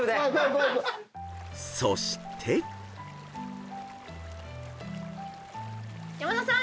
［そして］山田さーん！